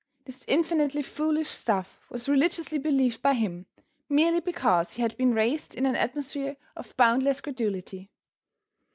This infinitely foolish stuff was religiously believed by him, merely because he had been raised in an atmosphere of boundless credulity.